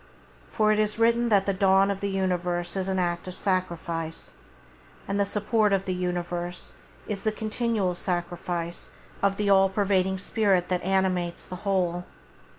For it is written that the dawn of the universe is an act of sacrifice, and the support of the universe is the continual sacrifice of the all pervading Spirit that animates the whole.